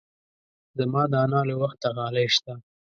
زما د انا له وخته غالۍ شته.